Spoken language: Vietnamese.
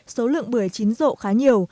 số lượng bưởi chín rộ khá nhiều